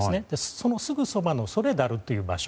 そのすぐそばのソレダルという場所。